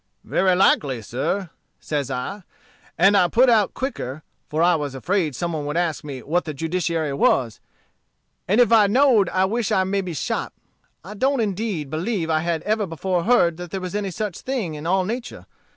'Very likely, sir,' says I. And I put out quicker, for I was afraid some one would ask me what the judiciary was; and if I know'd I wish I may be shot. I don't indeed believe I had ever before heard that there was any such thing in all nature.